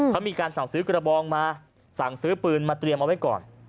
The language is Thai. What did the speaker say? เขามีการสั่งซื้อกระบองมาสั่งซื้อปืนมาเตรียมเอาไว้ก่อน